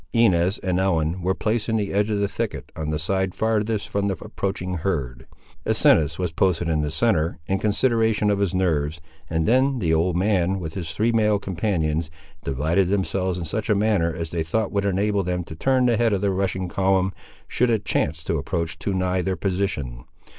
Inez and Ellen were placed in the edge of the thicket on the side farthest from the approaching herd. Asinus was posted in the centre, in consideration of his nerves, and then the old man, with his three male companions, divided themselves in such a manner as they thought would enable them to turn the head of the rushing column, should it chance to approach too nigh their position.